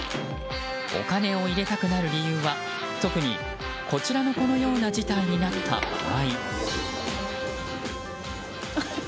お金を入れたくなる理由は特にこちらの子のような事態になった場合。